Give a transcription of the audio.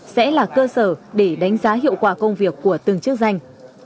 sẽ là cơ sở để đánh giá hiệu quả công việc của từng chức danh